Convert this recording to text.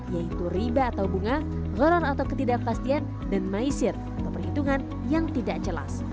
yaitu riba atau bunga noron atau ketidakpastian dan maisir atau perhitungan yang tidak jelas